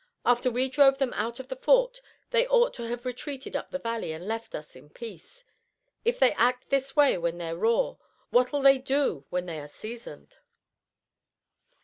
After we drove them out of the fort they ought to have retreated up the valley and left us in peace. If they act this way when they're raw, what'll they do when they are seasoned?"